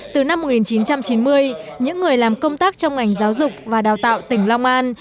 từ năm một nghìn chín trăm chín mươi những người làm công tác trong ngành giáo dục và đào tạo tỉnh long an